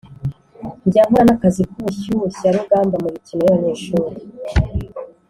njya nkora n’akazi k’ubushyushyarugamba mu mikino yabanyeshuli